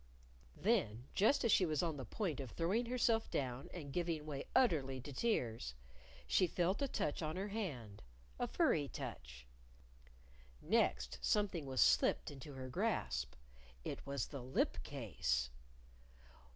Then, just as she was on the point of throwing herself down and giving way utterly to tears, she felt a touch on her hand a furry touch. Next, something was slipped into her grasp. It was the lip case!